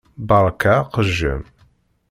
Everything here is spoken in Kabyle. Beṛka aqejjem.